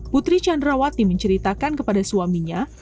putri candrawati menceritakan kepada suaminya